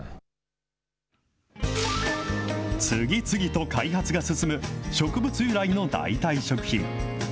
次々と開発が進む、植物由来の代替食品。